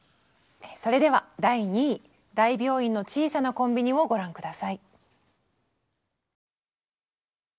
それでは第２位「大病院の小さなコンビニ」をご覧下さい。